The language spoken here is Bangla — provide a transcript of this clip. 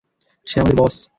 সে আমাদের বস!